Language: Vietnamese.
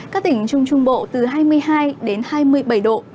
các tỉnh trung trung bộ từ hai mươi hai đến hai mươi bảy độ